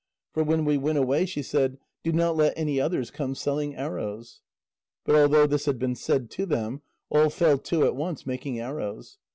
For when we went away, she said: 'Do not let any others come selling arrows.'" But although this had been said to them, all fell to at once making arrows.